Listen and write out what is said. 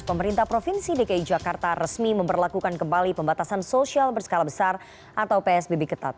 pemerintah provinsi dki jakarta resmi memperlakukan kembali pembatasan sosial berskala besar atau psbb ketat